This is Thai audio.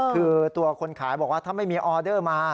คือตัวคนขายบอกว่าถ้าไม่มีออเดอร์มา